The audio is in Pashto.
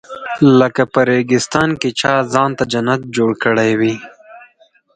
لکه په ریګستان کې چا ځان ته جنت جوړ کړی وي.